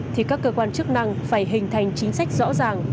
thì các cơ quan chức năng phải hình thành chính sách rõ ràng